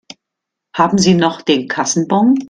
Haben Sie noch den Kassenbon?